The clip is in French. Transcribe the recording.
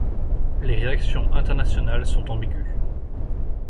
Les réactions internationales sont ambiguës.